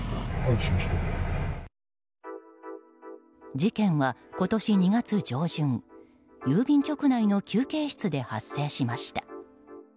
事件は今年２月上旬郵便局内の休憩室で発生しました。